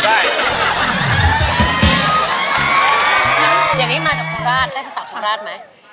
อย่างนี้มาจากภาษาประธาตุได้ภาษาภาษาประทาศไหม